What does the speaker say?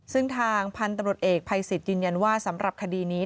ซึ่งทางพันธุ์ตำรวจเอกภัยสิทธิ์ยืนยันว่าสำหรับคดีนี้